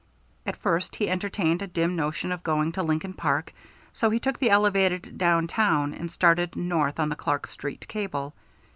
At first he entertained a dim notion of going to Lincoln Park, so he took the elevated down town, and started north on the Clark Street cable.